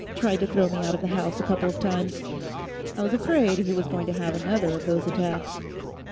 Tried to throw me out of the house, a couple of times. I was afraid he was going to have another of those attacks.